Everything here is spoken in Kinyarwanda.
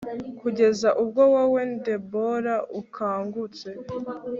kugeza ubwo wowe, debora, ukangutse